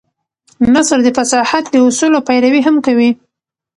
نثر د فصاحت د اصولو پيروي هم کوي.